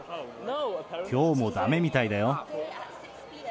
きょうもだめみたいだよ。